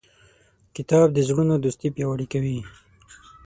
کتاب د زړونو دوستي پیاوړې کوي.